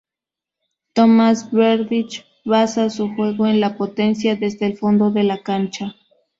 Tomáš Berdych basa su juego en la potencia desde el fondo de la cancha.